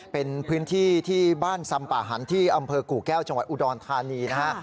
เป็นพื้นที่ที่บ้านซำป่าหันที่อำเภอกู่แก้วจังหวัดอุดรธานีนะฮะ